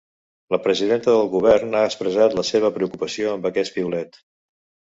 La presidenta del govern ha expressat la seva preocupació amb aquest piulet.